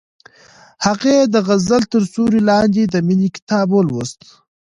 هغې د غزل تر سیوري لاندې د مینې کتاب ولوست.